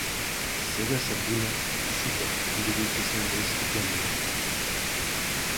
Сега се бунат сите бидејќи сите сме во исти гомна.